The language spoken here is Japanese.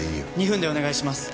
２分でお願いします。